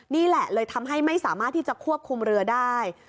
นี่แหละเลยทำให้ไม่สามารถที่จะควบคุมเรือได้